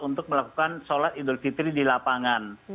untuk melakukan sholat idul fitri di lapangan